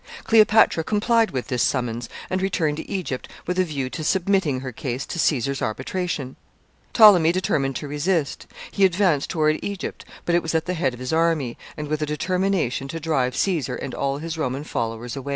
] Cleopatra complied with this summons, and returned to Egypt with a view to submitting her case to Caesar's arbitration. Ptolemy determined to resist. He advanced toward Egypt, but it was at the head of his army, and with a determination to drive Caesar and all his Roman followers away.